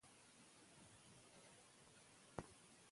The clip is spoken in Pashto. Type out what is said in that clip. دوی د خپلې ازادۍ لپاره سرونه ورکوي.